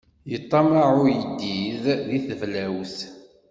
Yeṭṭammaɛ uyeddid di teblawt.